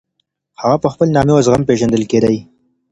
هغه په خپل نامې او زغم پېژندل کېدی.